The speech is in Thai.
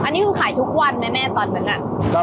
อันนี้คือขายทุกวันไหมแม่ตอนนั้น